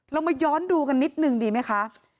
เรามาย้อนดูกันนิดนึงดีไหมคะ